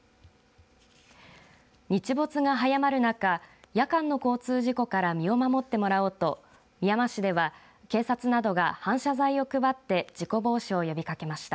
日没が早まる中夜間の交通事故から身を守ってもらおうとみやま市では、警察などが反射材を配って事故防止を呼びかけました。